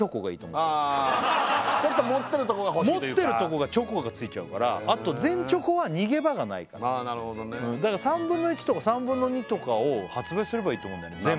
持ってるとこがほしいというか持ってるとこがチョコがついちゃうからあと全チョコは逃げ場がないからあなるほどねだから３分の１とか３分の２とかを発売すればいいと思うんだよね